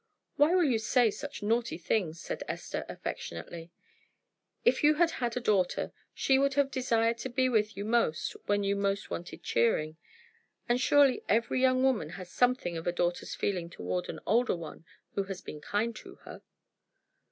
"Why will you say such naughty things?" said Esther, affectionately. "If you had had a daughter, she would have desired to be with you most when you most wanted cheering. And surely every young woman has something of a daughter's feeling toward an older one who has been kind to her."